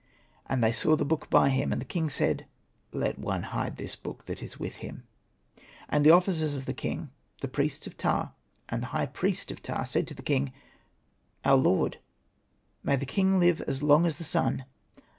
And they saw the book by him ; and the king said, ' Let one hide this book that is with him/ And the officers of the king, the priests of Ptah, and the high priest of Ptah, said to the king, ' Our Lord, may the king live as long as the sun